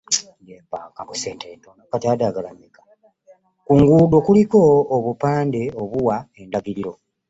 Ku nguudo kuliko obupande obuwa endagiriro.